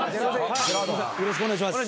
よろしくお願いします。